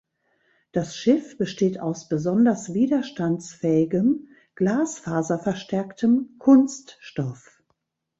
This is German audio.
Das Schiff besteht aus besonders widerstandsfähigem, glasfaserverstärktem Kunststoff.